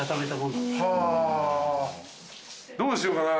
どうしようかな？